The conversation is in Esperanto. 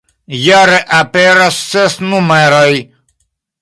Jare aperas ses numeroj.